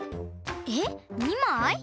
えっ２まい？